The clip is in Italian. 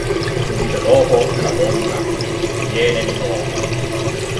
Subito dopo la donna sviene di nuovo.